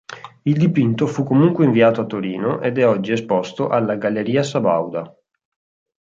Il dipinto fu comunque inviato a Torino ed è oggi esposto alla Galleria Sabauda.